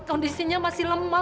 kondisinya masih lemah